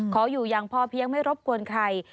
ขออยู่อย่างพอเพียงไม่รบกวนใคร